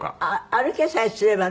歩けさえすればね。